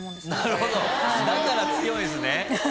だから強いんすね。